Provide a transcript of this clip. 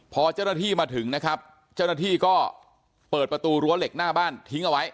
พอเจ้าหน้าที่มาถึงนะครับเจ้าหน้าที่ก็เปิดประตูรั้วเหล็กหน้าบ้านทิ้งเอาไว้